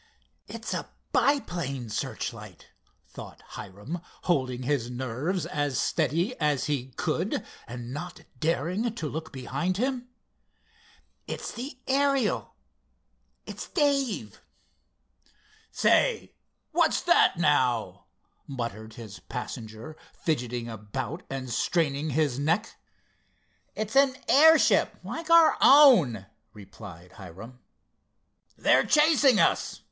"It's a biplane searchlight," thought Hiram, holding his nerves as steady as he could, and not daring to look behind him. "It's the Ariel—it's Dave!" "Say, what's that now?" muttered his passenger, fidgeting about and straining his neck. "It's an airship, like our own," replied Hiram. "They're chasing us!"